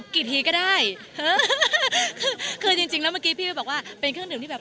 กี่ทีก็ได้เออคือจริงจริงแล้วเมื่อกี้พี่ไปบอกว่าเป็นเครื่องดื่มที่แบบ